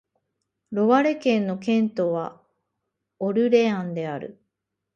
ロワレ県の県都はオルレアンである